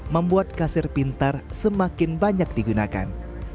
membuat kasir pintar semakin banyak digunakan